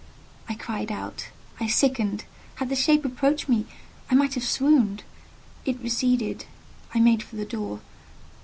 I cried out; I sickened. Had the shape approached me I might have swooned. It receded: I made for the door.